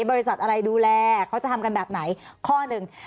บริษัทอะไรดูแลเขาจะทำกันแบบไหนข้อหนึ่ง